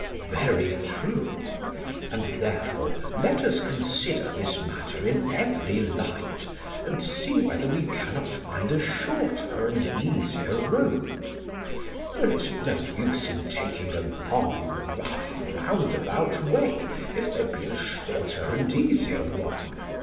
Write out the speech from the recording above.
SOCRATES: Very true; and therefore let us consider this matter in every light, and see whether we cannot find a shorter and easier road; there is no use in taking a long rough roundabout way if there be a shorter and easier one.